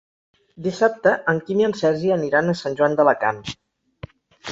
Dissabte en Quim i en Sergi aniran a Sant Joan d'Alacant.